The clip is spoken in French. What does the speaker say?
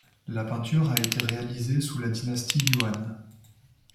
La peinture a été réalisée sous la dynastie Yuan.